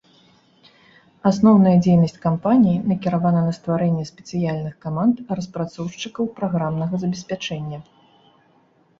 Асноўная дзейнасць кампаніі накіравана на стварэнне спецыяльных каманд распрацоўшчыкаў праграмнага забеспячэння.